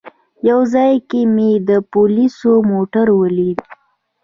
یو ځای کې مې د پولیسو موټر ولید.